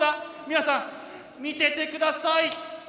皆さん見てて下さい！